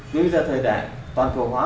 bởi vì là thời đại toàn cầu hóa